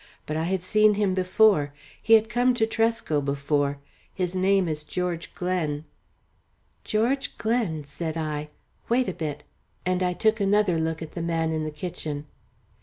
But I had seen him before. He had come to Tresco before. His name is George Glen." "George Glen!" said I. "Wait a bit," and I took another look at the man in the kitchen.